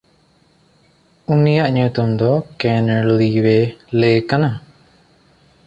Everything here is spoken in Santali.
ᱩᱱᱤᱭᱟᱜ ᱧᱩᱛᱩᱢ ᱫᱚ ᱠᱮᱱᱲᱤᱣᱮᱼᱞᱮ ᱠᱟᱱᱟ᱾